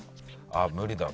あっ無理だ。